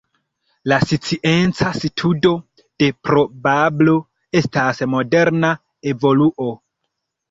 La scienca studo de probablo estas moderna evoluo.